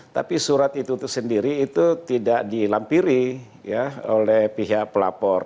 tapi surat itu sendiri itu tidak dilampiri oleh pihak pelapor